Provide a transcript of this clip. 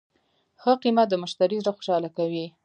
ښه قیمت د مشتری زړه خوشحاله کوي.